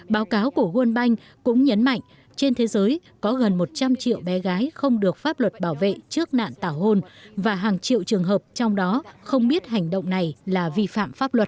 báo cáo của world bank cũng nhấn mạnh trên thế giới có gần một trăm linh triệu bé gái không được pháp luật bảo vệ trước nạn tảo hôn và hàng triệu trường hợp trong đó không biết hành động này là vi phạm pháp luật